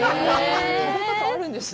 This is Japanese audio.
食べ方、あるんですね。